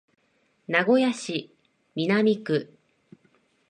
名古屋市南区